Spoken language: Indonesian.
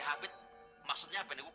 hafid maksudnya apa nih